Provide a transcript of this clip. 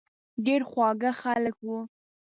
ډېر خواږه خلک وو.